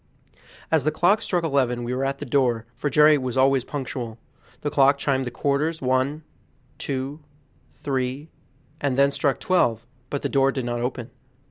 As the clock struck eleven we were at the door, for Jerry was always punctual. The clock chimed the quarters, one, two, three, and then struck twelve, but the door did not open.